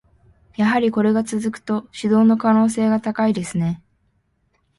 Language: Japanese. やはりこれが続くと、指導の可能性が高いですね。